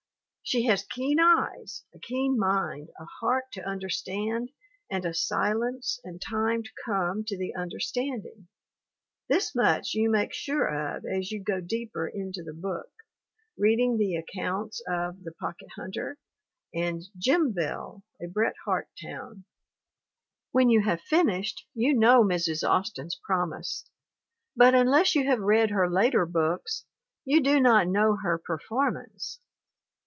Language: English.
She has keen eyes, a keen mind, a heart to under stand and a silence and time to come to the under standing. This much you make sure of as you go deeper into the book, reading the accounts of The Pocket Hunter and Jimville: A Bret Harte Town. When you have finished you know Mrs. Austin's promise but unless you have read her later books you do not know her performance.